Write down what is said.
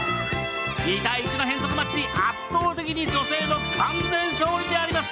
２対１の変則マッチ、圧倒的に女性の完全勝利であります。